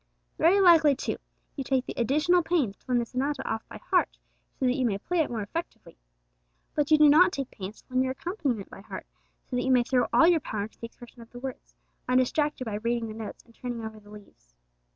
Very likely, too, you take the additional pains to learn the sonata off by heart, so that you may play it more effectively. But you do not take pains to learn your accompaniment by heart, so that you may throw all your power into the expression of the words, undistracted by reading the notes and turning over the leaves.